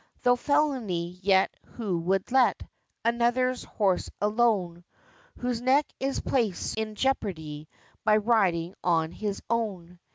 Tho' felony, yet who would let Another's horse alone, Whose neck is placed in jeopardy By riding on his own?